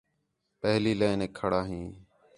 پہلی لائینیک کھڑا ہیں